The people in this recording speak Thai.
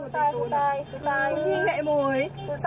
สุดท้าย